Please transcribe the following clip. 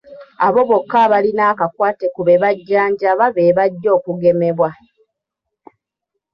Abo bokka abalina akakwate ku be bajjanjaba be bajja okugemebwa.